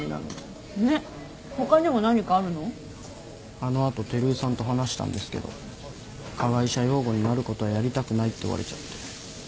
あの後照井さんと話したんですけど加害者擁護になることはやりたくないって言われちゃって。